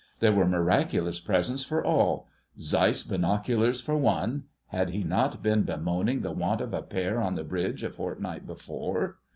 There were miraculous presents for all: Zeiss binoculars for one (had he not been bemoaning the want of a pair on the bridge a fortnight before?)